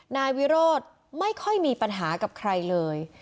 นายวิโรธไม่ค่อยมีปัญหากับใครเลย